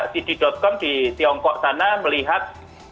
cd com di tiongkok sana melihat